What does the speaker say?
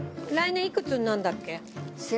来年いくつになるんだっけ？